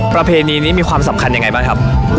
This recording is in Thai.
ประเพณีนี้มีความสำคัญยังไงบ้างครับ